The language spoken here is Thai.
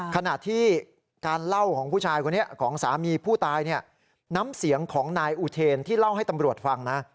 ขณะที่การเล่าของผู้ชายคนนี้ของสามีผู้ตายเนี่ยน้ำเสียงของนายอุเทนที่เล่าให้ตำรวจฟังนะ